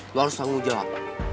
lo harus tanggung jawab